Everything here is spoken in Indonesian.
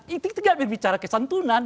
itu nggak berbicara kesantunan